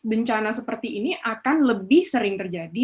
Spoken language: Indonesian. bencana seperti ini akan lebih sering terjadi